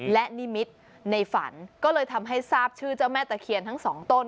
และนิมิตรในฝันก็เลยทำให้ทราบชื่อเจ้าแม่ตะเคียนทั้งสองต้น